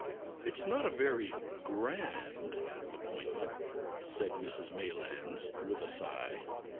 "It's not a very grand appointment," said Mrs Maylands, with a sigh.